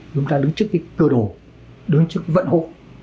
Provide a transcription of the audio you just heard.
chúng ta đứng trước cái cơ đồ đứng trước cái vận hộ